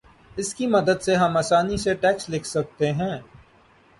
اس کی مدد سے ہم آسانی سے ٹیکسٹ لکھ سکتے ہیں